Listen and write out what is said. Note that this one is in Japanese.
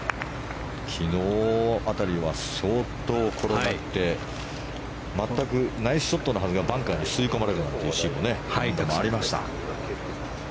昨日辺りは相当転がって全くナイスショットのはずがバンカーに吸い込まれるなんてシーンもありました。